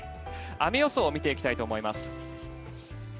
雨予想を見ていきたいと思います。